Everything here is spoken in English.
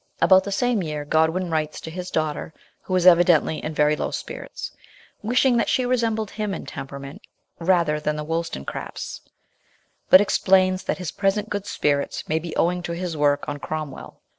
About the same year Godwin writes to his daughter who is evidently in very low spirits, wishing that she resembled him in temperament rather than the Wollstonecrafts, but explains that his present good spirits may be owing to his work on Cromwell.